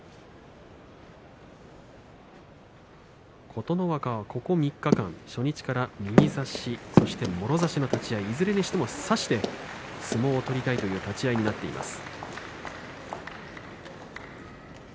琴ノ若はここ３日間、初日から右差し、そしてもろ差しの立ち合い、いずれにしても差して相撲を取りたいという立ち合いになっています。